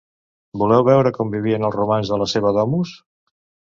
Voleu veure com vivien els romans a la seva domus?